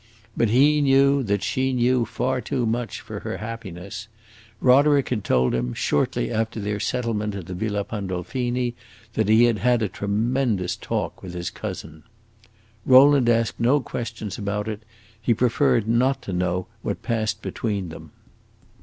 But he knew that she knew far too much for her happiness; Roderick had told him, shortly after their settlement at the Villa Pandolfini, that he had had a "tremendous talk" with his cousin. Rowland asked no questions about it; he preferred not to know what had passed between them.